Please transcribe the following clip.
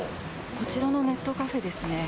こちらのネットカフェですね。